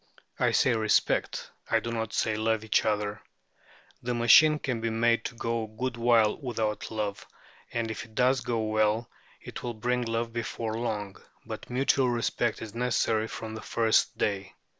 I say respect, I do not say love, each other. The machine can be made to go a good while without love, and if it goes well it will bring love before long; but mutual respect is necessary from the first day.